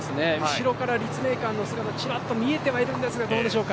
後ろから立命館の姿が見えていますがどうでしょうか。